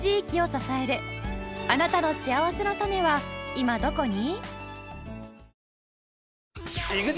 あなたのしあわせのたねは今どこに？